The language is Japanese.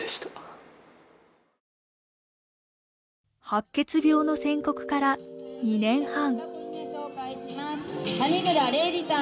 白血病の宣告から２年半。